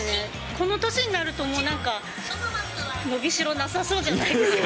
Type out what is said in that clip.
この年になるともうなんか、伸びしろなさそうじゃないですか。